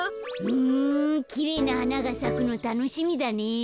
ふんきれいなはながさくのたのしみだね。